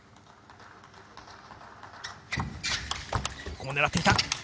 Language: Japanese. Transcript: ここも狙っていた。